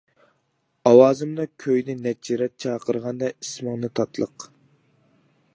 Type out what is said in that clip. ئاۋازىمدا كۆيدى نەچچە رەت چاقىرغاندا ئىسمىڭنى تاتلىق.